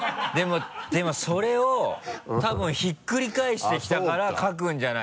でもそれを多分ひっくり返してきたから書くんじゃないの？